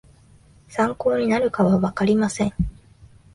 参考になるかはわかりません